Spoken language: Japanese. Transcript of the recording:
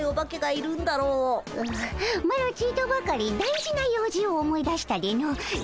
ううマロちとばかり大事な用事を思い出したでの。